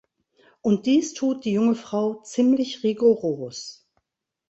Und dies tut die junge Frau ziemlich rigoros.